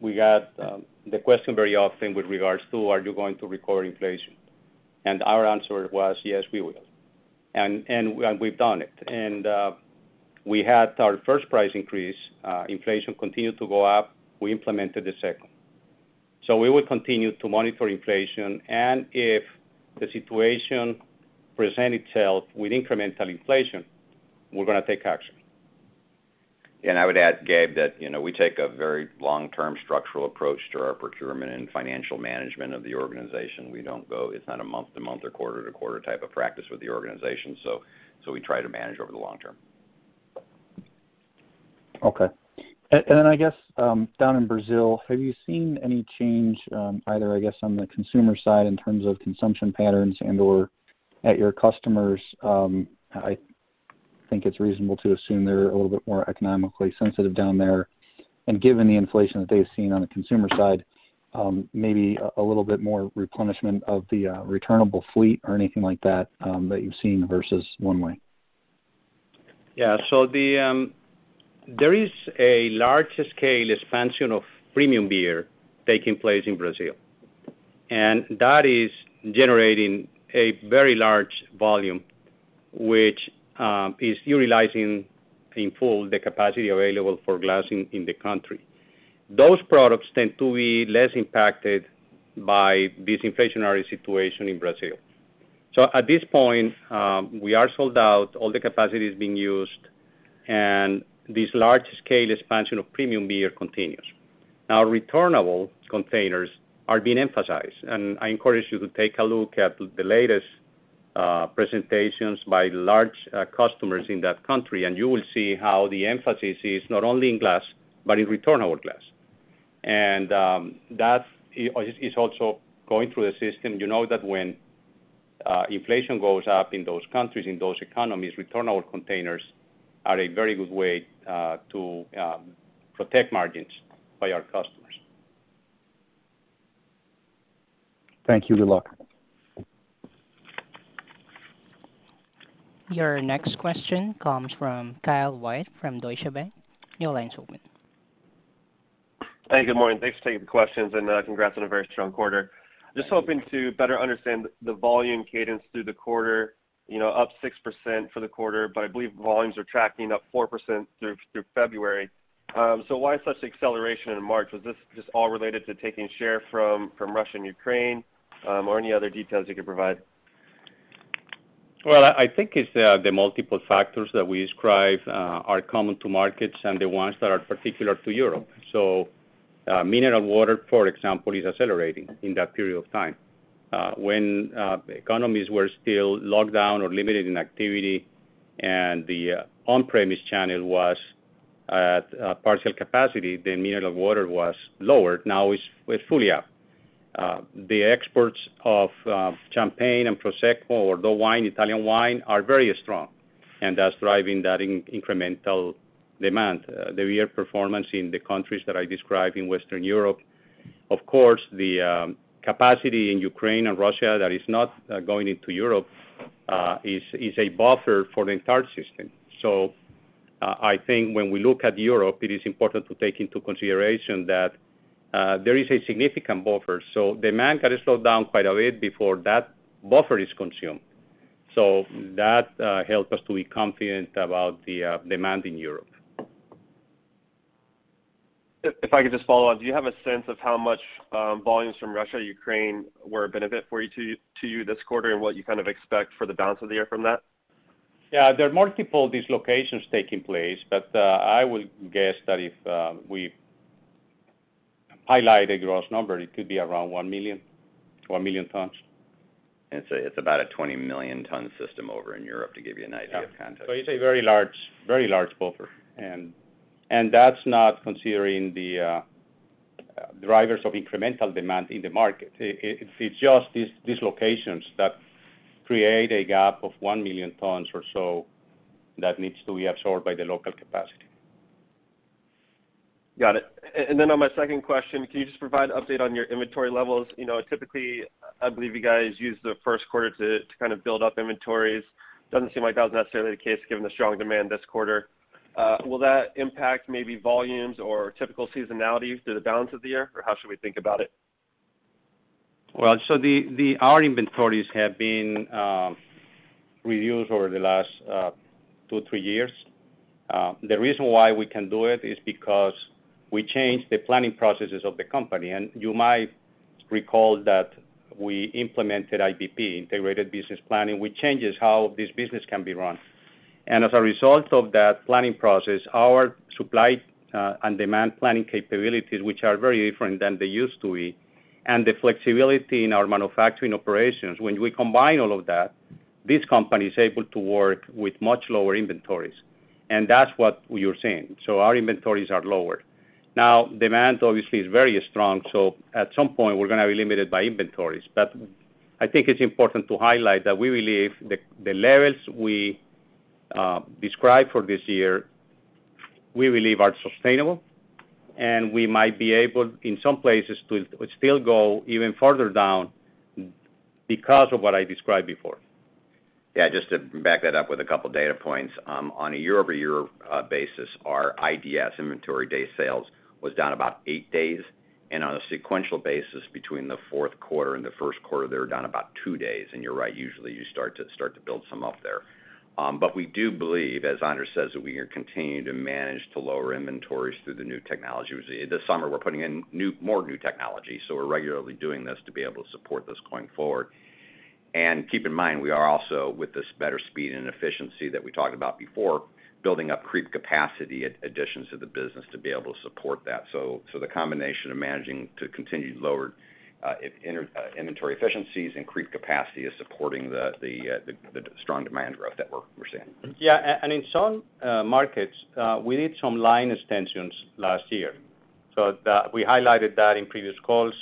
we got the question very often with regards to are you going to record inflation? Our answer was, yes, we will. We've done it. We had our first price increase, inflation continued to go up, we implemented the second. We will continue to monitor inflation, and if the situation present itself with incremental inflation, we're gonna take action. I would add, Gabe, that, you know, we take a very long-term structural approach to our procurement and financial management of the organization. We don't go. It's not a month-to-month or quarter-to-quarter type of practice with the organization, so we try to manage over the long term. Okay. And then I guess down in Brazil, have you seen any change, either, I guess, on the consumer side in terms of consumption patterns and/or at your customers? I think it's reasonable to assume they're a little bit more economically sensitive down there. Given the inflation that they've seen on the consumer side, maybe a little bit more replenishment of the returnable fleet or anything like that that you've seen versus one way. There is a large scale expansion of premium beer taking place in Brazil, and that is generating a very large volume, which is utilizing in full the capacity available for glass in the country. Those products tend to be less impacted by this inflationary situation in Brazil. At this point, we are sold out, all the capacity is being used, and this large scale expansion of premium beer continues. Now, returnable containers are being emphasized, and I encourage you to take a look at the latest presentations by large customers in that country, and you will see how the emphasis is not only in glass but in returnable glass. That's also going through the system. You know that when inflation goes up in those countries, in those economies, returnable containers are a very good way to protect margins by our customers. Thank you. Good luck. Your next question comes from Kyle White from Deutsche Bank. Your line's open. Hey, good morning. Thanks for taking the questions, and congrats on a very strong quarter. Just hoping to better understand the volume cadence through the quarter, you know, up 6% for the quarter, but I believe volumes are tracking up 4% through February. So why such acceleration in March? Was this just all related to taking share from Russia and Ukraine, or any other details you could provide? Well, I think it's the multiple factors that we describe are common to markets and the ones that are particular to Europe. Mineral water, for example, is accelerating in that period of time. When economies were still locked down or limited in activity and the on-premise channel was at partial capacity, then mineral water was lower. Now it's. We're fully up. The exports of champagne and Prosecco or still wine, Italian wine, are very strong, and that's driving that incremental demand, the beer performance in the countries that I described in Western Europe. Of course, the capacity in Ukraine and Russia that is not going into Europe is a buffer for the entire system. I think when we look at Europe, it is important to take into consideration that there is a significant buffer. That helps us to be confident about the demand in Europe. If I could just follow on, do you have a sense of how much volumes from Russia, Ukraine were a benefit for you too this quarter, and what you kind of expect for the balance of the year from that? Yeah. There are multiple dislocations taking place, but I would guess that if we highlight a gross number, it could be around 1 million tons. It's about a 20-million-ton system over in Europe, to give you an idea of context. Yeah. It's a very large buffer. That's not considering the drivers of incremental demand in the market. It's just these locations that create a gap of 1 million tons or so that needs to be absorbed by the local capacity. Got it. On my second question, can you just provide update on your inventory levels? You know, typically, I believe you guys use the first quarter to kind of build up inventories. Doesn't seem like that was necessarily the case given the strong demand this quarter. Will that impact maybe volumes or typical seasonality through the balance of the year, or how should we think about it? Our inventories have been reduced over the last two, three years. The reason why we can do it is because we changed the planning processes of the company. You might recall that we implemented IBP, Integrated Business Planning, which changes how this business can be run. As a result of that planning process, our supply and demand planning capabilities, which are very different than they used to be, and the flexibility in our manufacturing operations, when we combine all of that, this company is able to work with much lower inventories, and that's what we are seeing. Our inventories are lower. Now demand obviously is very strong, so at some point we're gonna be limited by inventories. I think it's important to highlight that we believe the levels we describe for this year, we believe are sustainable, and we might be able, in some places, to still go even further down because of what I described before. Yeah. Just to back that up with a couple data points. On a YoY basis, our IDS, Inventory Days Sales, was down about eight days. On a sequential basis between the fourth quarter and the first quarter, they were down about two days. You're right, usually you start to build some up there. We do believe, as Andres says, that we are continuing to manage to lower inventories through the new technology. This summer we're putting in more new technology, so we're regularly doing this to be able to support this going forward. Keep in mind, we are also, with this better speed and efficiency that we talked about before, building up creep capacity additions to the business to be able to support that. The combination of managing to continue to lower inventory efficiencies and creep capacity is supporting the strong demand growth that we're seeing. In some markets, we did some line extensions last year. We highlighted that in previous calls.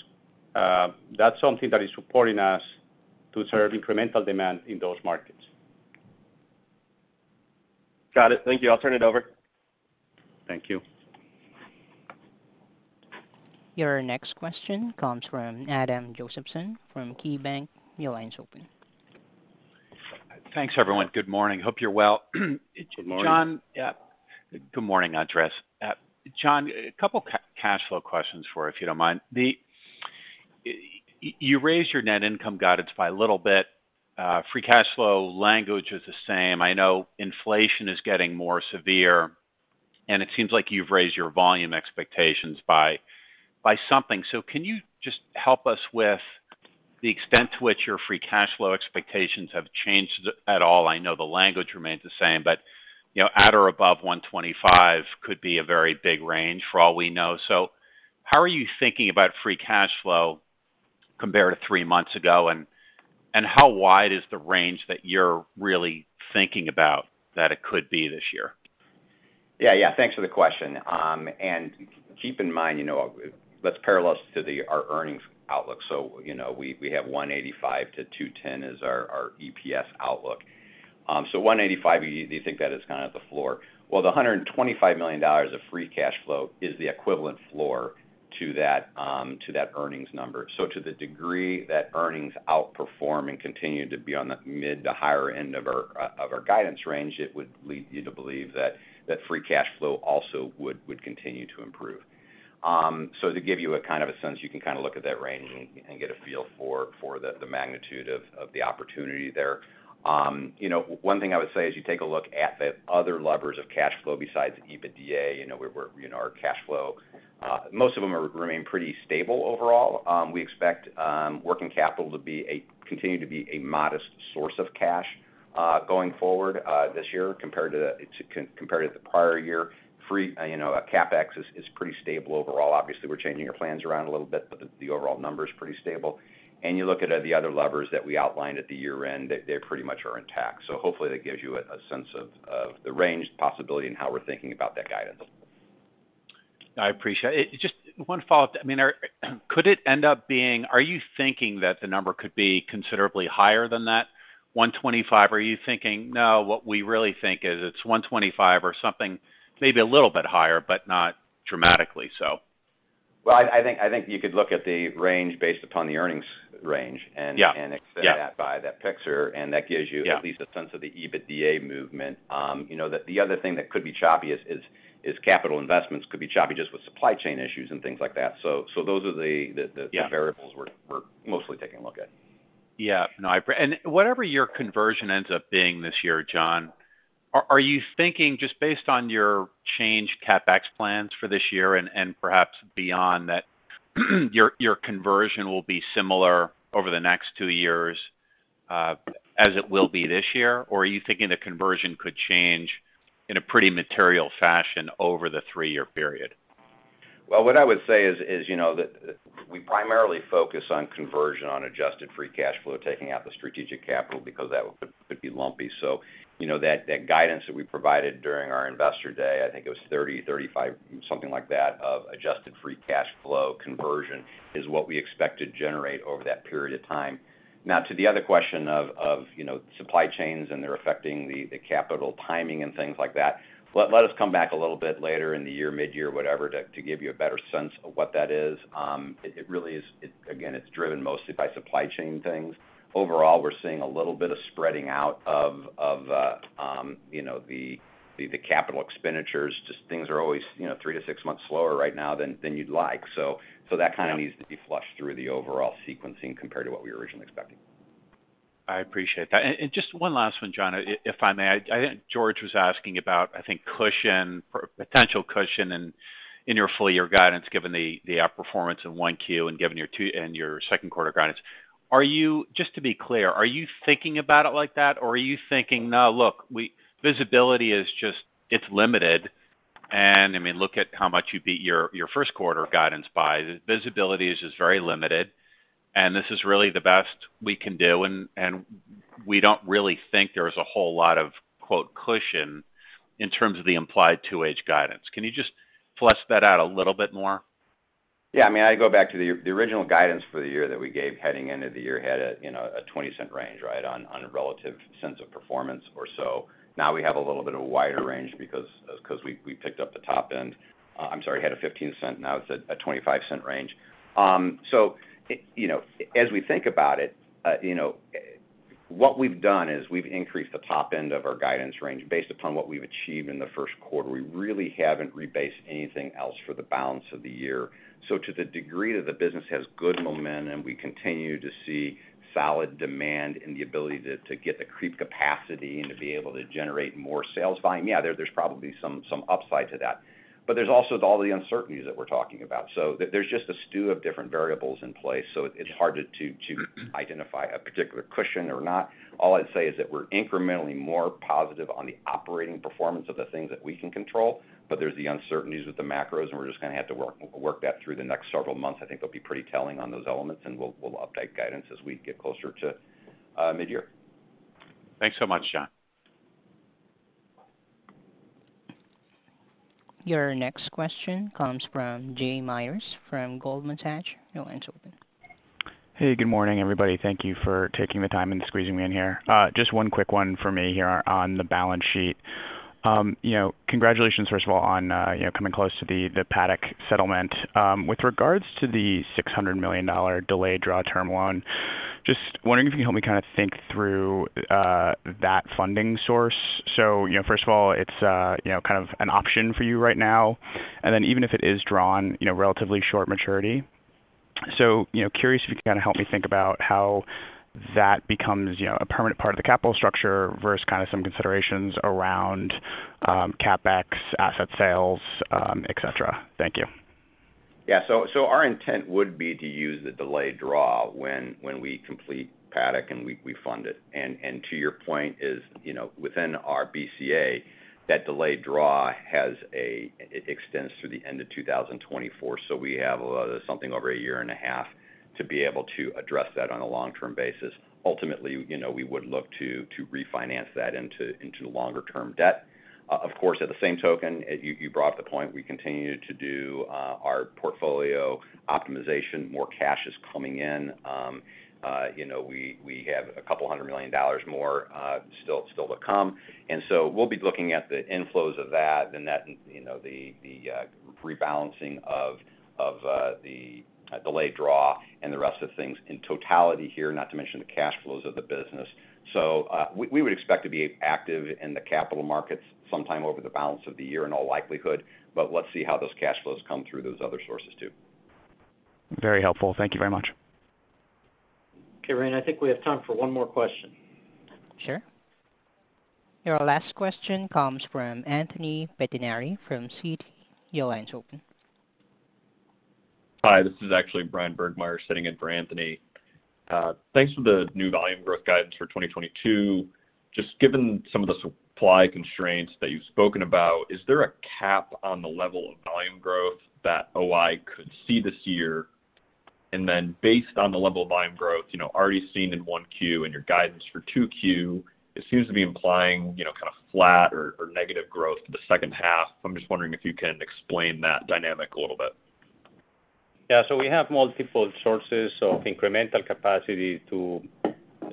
That's something that is supporting us to serve incremental demand in those markets. Got it. Thank you. I'll turn it over. Thank you. Your next question comes from Adam Josephson from KeyBanc. Your line is open. Thanks, everyone. Good morning. Hope you're well. Good morning. Yeah. Good morning, Andres. John, a couple cash flow questions for you, if you don't mind. You raised your net income guidance by a little bit. Free cash flow language is the same. I know inflation is getting more severe, and it seems like you've raised your volume expectations by something. Can you just help us with the extent to which your free cash flow expectations have changed at all? I know the language remains the same, but you know, at or above $125 could be a very big range for all we know. How are you thinking about free cash flow compared to three months ago? How wide is the range that you're really thinking about that it could be this year? Yeah. Thanks for the question. Keep in mind, you know, let's parallel this to our earnings outlook. You know, we have 185-210 as our EPS outlook. So 185, you think that is kind of the floor. Well, the $125 million of free cash flow is the equivalent floor to that earnings number. To the degree that earnings outperform and continue to be on the mid to higher end of our guidance range, it would lead you to believe that free cash flow also would continue to improve. To give you a kind of a sense, you can kind of look at that range and get a feel for the magnitude of the opportunity there. You know, one thing I would say is you take a look at the other levers of cash flow besides EBITDA. You know, our cash flow levers remain pretty stable overall. We expect working capital to continue to be a modest source of cash going forward this year compared to the prior year. Free cash flow, you know, CapEx is pretty stable overall. Obviously, we're changing our plans around a little bit, but the overall number is pretty stable. You look at the other levers that we outlined at year-end, they pretty much are intact. Hopefully that gives you a sense of the range possibility and how we're thinking about that guidance. I appreciate it. Just one follow-up. I mean, are you thinking that the number could be considerably higher than that $125? Are you thinking, "No, what we really think is it's $125 or something maybe a little bit higher, but not dramatically so? Well, I think you could look at the range based upon the earnings range and. Yeah. extend that by that fixer, and that gives you. Yeah. at least a sense of the EBITDA movement. You know, the other thing that could be choppy is capital investments could be choppy just with supply chain issues and things like that. Those are the Yeah. the variables we're mostly taking a look at. Whatever your conversion ends up being this year, John, are you thinking just based on your changed CapEx plans for this year and perhaps beyond that your conversion will be similar over the next two years as it will be this year? Or are you thinking the conversion could change in a pretty material fashion over the three-year period? Well, what I would say is, you know, that we primarily focus on conversion on adjusted free cash flow, taking out the strategic capital because that could be lumpy. You know, that guidance that we provided during our Investor Day, I think it was 30%-35%, something like that, of adjusted free cash flow conversion is what we expect to generate over that period of time. Now to the other question of, you know, supply chains and their affecting the capital timing and things like that, let us come back a little bit later in the year, mid-year, whatever, to give you a better sense of what that is. It really is, again, it's driven mostly by supply chain things. Overall, we're seeing a little bit of spreading out of you know, the capital expenditures. Just things are always you know, three to six months slower right now than you'd like. That kind of needs to be flushed through the overall sequencing compared to what we were originally expecting. I appreciate that. Just one last one, John, if I may. I think George was asking about cushion or potential cushion in your full year guidance, given the outperformance in 1Q and given your 2Q and your second quarter guidance. Just to be clear, are you thinking about it like that, or are you thinking, "No, look, we visibility is just, it's limited," and I mean, look at how much you beat your first quarter guidance by. Visibility is very limited, and this is really the best we can do, and we don't really think there's a whole lot of, quote, "cushion" in terms of the implied 2Q guidance. Can you just flesh that out a little bit more? Yeah. I mean, I go back to the original guidance for the year that we gave heading into the year had a $0.20 range, right, on a relative sense of performance or so. Now we have a little bit of a wider range because we picked up the top end. I'm sorry, had a 15-cent, now it's at a $0.25 range. As we think about it, what we've done is we've increased the top end of our guidance range based upon what we've achieved in the first quarter. We really haven't rebased anything else for the balance of the year. To the degree that the business has good momentum, we continue to see solid demand and the ability to get the creep capacity and to be able to generate more sales volume. Yeah, there's probably some upside to that. There's also all the uncertainties that we're talking about. There's just a stew of different variables in place, so it's hard to identify a particular cushion or not. All I'd say is that we're incrementally more positive on the operating performance of the things that we can control, but there's the uncertainties with the macros, and we're just gonna have to work that through the next several months. I think they'll be pretty telling on those elements, and we'll update guidance as we get closer to midyear. Thanks so much, John. Your next question comes from Jay Mayers from Goldman Sachs. Your line's open. Hey, good morning, everybody. Thank you for taking the time and squeezing me in here. Just one quick one for me here on the balance sheet. You know, congratulations, first of all, on you know, coming close to the Paddock settlement. With regards to the $600 million delayed draw term loan, just wondering if you can help me kind of think through that funding source. You know, first of all, it's you know, kind of an option for you right now. Even if it is drawn, you know, relatively short maturity. You know, curious if you can kind of help me think about how that becomes you know, a permanent part of the capital structure versus kind of some considerations around CapEx, asset sales, et cetera. Thank you. Yeah. Our intent would be to use the delayed draw when we complete Paddock and we fund it. To your point is, you know, within our BCA, that delayed draw it extends through the end of 2024. We have something over a year and a half to be able to address that on a long-term basis. Ultimately, you know, we would look to refinance that into longer-term debt. Of course, at the same token, you brought up the point, we continue to do our portfolio optimization. More cash is coming in. You know, we have a couple hundred million dollars more still to come. We'll be looking at the inflows of that and that, you know, the rebalancing of the delayed draw and the rest of things in totality here, not to mention the cash flows of the business. We would expect to be active in the capital markets sometime over the balance of the year in all likelihood, but let's see how those cash flows come through those other sources too. Very helpful. Thank you very much. Okay, Rain, I think we have time for one more question. Sure. Your last question comes from Anthony Pettinari from Citi. Your line's open. Hi, this is actually Bryan Burgmeier sitting in for Anthony. Thanks for the new volume growth guidance for 2022. Just given some of the supply constraints that you've spoken about, is there a cap on the level of volume growth that O-I could see this year? Based on the level of volume growth, you know, already seen in 1Q and your guidance for 2Q, it seems to be implying, you know, kind of flat or negative growth for the second half. I'm just wondering if you can explain that dynamic a little bit. Yeah. We have multiple sources of incremental capacity to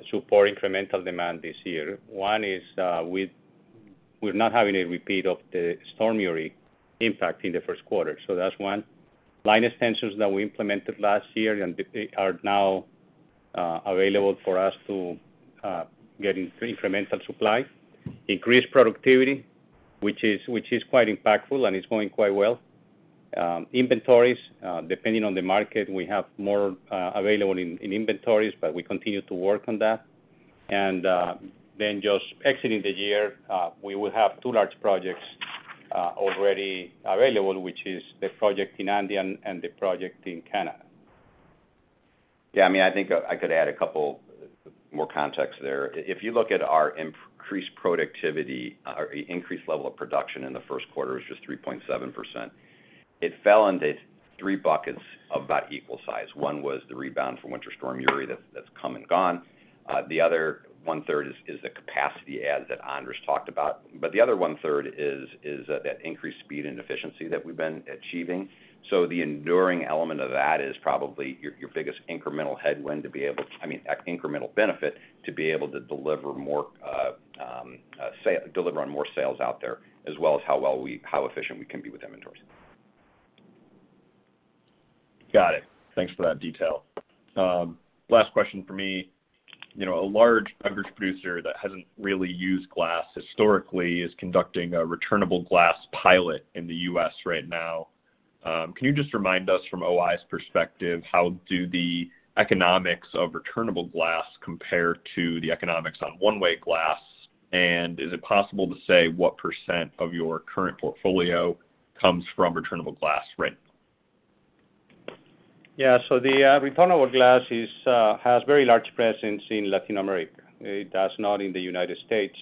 support incremental demand this year. One is, we're not having a repeat of the Storm Uri impact in the first quarter. That's one. Line extensions that we implemented last year are now available for us to get incremental supply. Increased productivity, which is quite impactful and is going quite well. Inventories, depending on the market, we have more available in inventories, but we continue to work on that. Then just exiting the year, we will have two large projects already available, which is the project in India and the project in Canada. Yeah, I mean, I think I could add a couple more context there. If you look at our increased productivity or increased level of production in the first quarter, it was just 3.7%. It fell into three buckets of about equal size. One was the rebound from Winter Storm Uri that's come and gone. The other 1/3 is the capacity add that Andres talked about. The other 1/3 is that increased speed and efficiency that we've been achieving. The enduring element of that is probably your biggest incremental headwind to be able to, I mean, incremental benefit to be able to deliver more deliver on more sales out there, as well as how efficient we can be with inventories. Got it. Thanks for that detail. Last question for me. You know, a large beverage producer that hasn't really used glass historically is conducting a returnable glass pilot in the U.S. right now. Can you just remind us from O-I's perspective, how do the economics of returnable glass compare to the economics on one-way glass? Is it possible to say what % of your current portfolio comes from returnable glass rent? Returnable glass has very large presence in Latin America. It does not in the United States.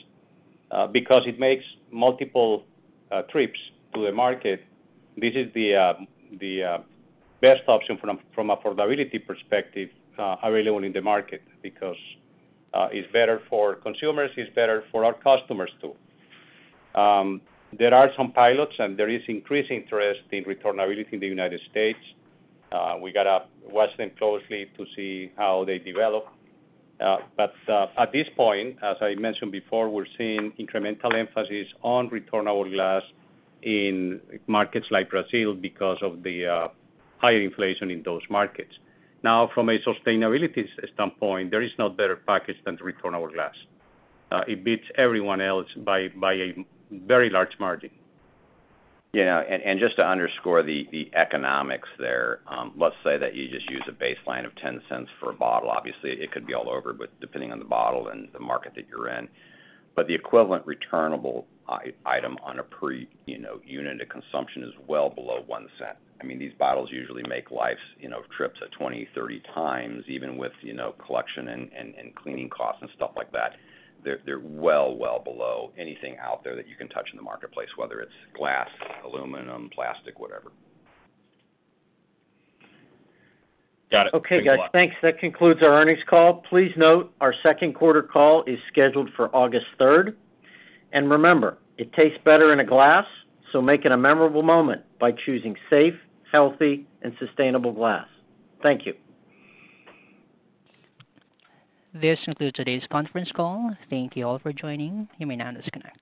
Because it makes multiple trips to the market, this is the best option from affordability perspective early on in the market because it's better for consumers, it's better for our customers too. There are some pilots, and there is increased interest in returnability in the United States. We gotta watch them closely to see how they develop. At this point, as I mentioned before, we're seeing incremental emphasis on returnable glass in markets like Brazil because of the higher inflation in those markets. Now, from a sustainability standpoint, there is no better package than returnable glass. It beats everyone else by a very large margin. Yeah. Just to underscore the economics there, let's say that you just use a baseline of $0.10 for a bottle. Obviously, it could be all over, but depending on the bottle and the market that you're in. The equivalent returnable item per unit of consumption is well below $0.01. I mean, these bottles usually make like 20, 30 trips, even with collection and cleaning costs and stuff like that. They're well below anything out there that you can touch in the marketplace, whether it's glass, aluminum, plastic, whatever. Got it. Okay, guys. Thanks. That concludes our earnings call. Please note our second quarter call is scheduled for August 3rd. Remember, it tastes better in a glass, so make it a memorable moment by choosing safe, healthy, and sustainable glass. Thank you. This concludes today's conference call. Thank you all for joining. You may now disconnect.